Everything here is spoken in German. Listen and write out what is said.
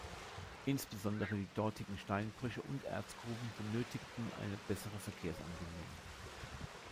Insbesondere die dortigen Steinbrüche und Erzgruben benötigten eine bessere Verkehrsanbindung.